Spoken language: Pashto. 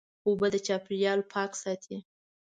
اوبه د چاپېریال پاک ساتي.